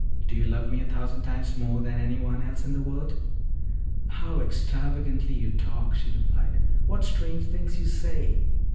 Do you love me a thousand times more than any one else in the world?" "How extravagantly you talk!" she replied. "What strange things you say!"